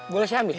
boleh saya ambil